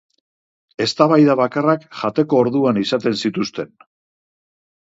Eztabaida bakarrak jateko orduan izaten zituzten.